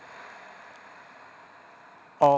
ออกรางวันที่ห้าครั้งที่เก้าสิบหก